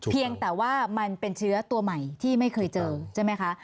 เพียงแต่ว่ามันเป็นเชื้อตัวใหม่ที่ไม่เคยเจอใช่ไหมคะ